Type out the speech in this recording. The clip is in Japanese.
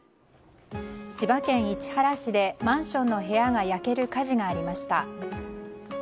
千葉県市原市でマンションの部屋が焼ける火事がありました。